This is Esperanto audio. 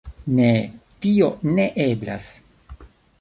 Ne, tio ne eblas.